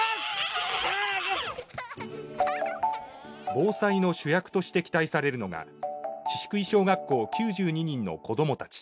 防災の主役として期待されるのが宍喰小学校９２人の子どもたち。